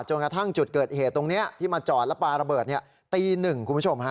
จนกระทั่งจุดเกิดเหตุตรงนี้ที่มาจอดแล้วปลาระเบิดตีหนึ่งคุณผู้ชมฮะ